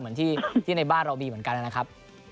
เหมือนที่ในบ้านเรามีเหมือนกันนะครับ